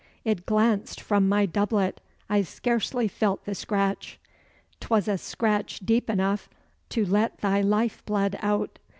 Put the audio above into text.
"It glanced from my doublet: I scarcely felt the scratch." "'Twas a scratch deep enough to let thy life blood out.